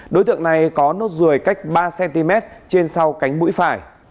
đối tượng này có nốt ruồi cách ba cm trên sau cánh mũi phải